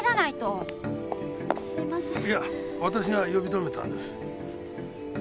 いや私が呼び止めたんです。